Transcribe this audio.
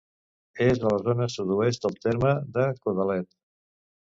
És a la zona sud-oest del terme de Codalet.